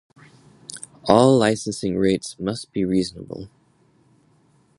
All licensing rates must be reasonable.